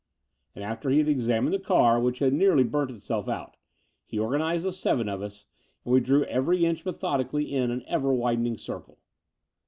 And after he had examined the car, which had nearly burnt itself out, he organized the seven of us, and we drew every inch methodically in an ever widening circle.